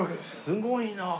すごいなあ！